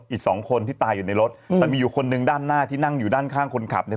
อีกสองคนที่ตายอยู่ในรถแต่มีอยู่คนหนึ่งด้านหน้าที่นั่งอยู่ด้านข้างคนขับเนี่ย